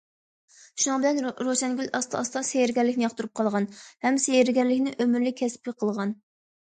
شۇنىڭ بىلەن روشەنگۈل ئاستا- ئاستا سېھىرگەرلىكنى ياقتۇرۇپ قالغان ھەم سېھىرگەرلىكنى ئۆمۈرلۈك كەسپى قىلغان.